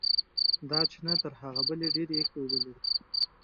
دا چینه تر هغې بلې ډېرې یخې اوبه لري.